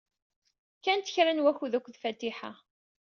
Kkant kra n wakud akked Fatiḥa.